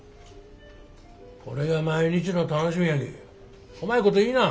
これが毎日の楽しみやきこまいこと言いな。